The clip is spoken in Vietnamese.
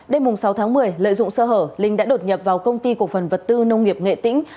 đêm sáu tháng một mươi lợi dụng sơ hở linh đã đột nhập vào công ty cổ phần vật tư nông nghiệp nghệ tĩnh